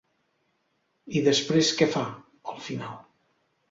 I després què fa, al final?